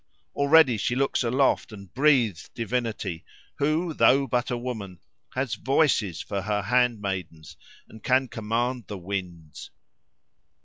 Already she looks aloft and breathes divinity, who, though but a woman, has voices for her handmaidens, and can command the winds."